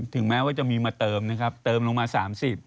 ถึงแม้ว่าจะมีมาเติมนะครับเติมลงมา๓๐